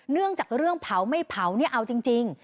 เรื่องจากเรื่องเผาไม่เผาเนี่ยเอาจริง